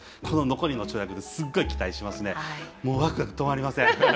残りの跳躍すごい期待します。